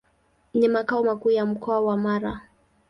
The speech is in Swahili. Ni makao makuu ya Mkoa wa Mara.